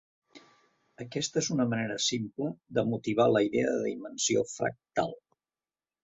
Aquesta és una manera simple de motivar la idea de dimensió fractal.